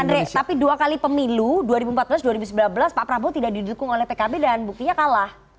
andre tapi dua kali pemilu dua ribu empat belas dua ribu sembilan belas pak prabowo tidak didukung oleh pkb dan buktinya kalah